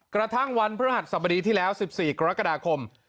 กระทั่งวันพฤหัสสบดีที่แล้ว๑๔กรกฎาคม